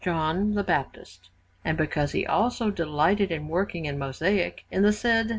John the Baptist. And because he also delighted in working in mosaic, in the said S.